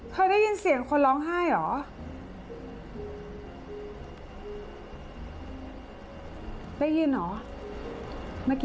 เคยได้ยินเสียงคนร้องไห้เหรอ